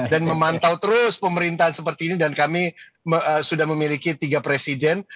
dan memantau terus pemerintahan seperti ini dan kami sudah memiliki tiga presiden